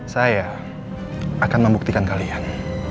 saya akan membuktikan kalian